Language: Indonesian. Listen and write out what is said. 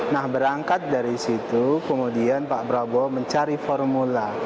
nah berangkat dari situ kemudian pak prabowo mencari formula